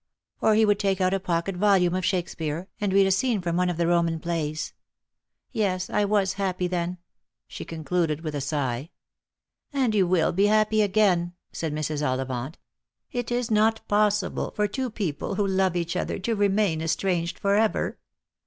Or he would take out a pocket volume of Shakespeare, and read a 312 Lost for Love. scene from one of the Eoman playa, Yes, I was nappy then," she concluded with a sigh. " And you will be happy again," eaid Mrs. Ollivant. " It is not possible for two people wha love each other to remain estranged for ever."